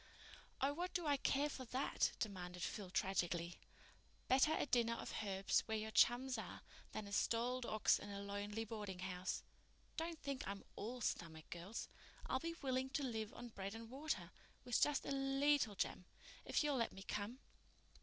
"Oh, what do I care for that?" demanded Phil tragically. "Better a dinner of herbs where your chums are than a stalled ox in a lonely boardinghouse. Don't think I'm all stomach, girls. I'll be willing to live on bread and water—with just a leetle jam—if you'll let me come."